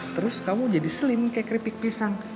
terus kamu jadi slim kayak keripik pisang